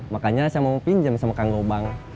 makanya saya mau pinjam sama kang gobang